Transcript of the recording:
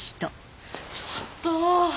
ちょっと。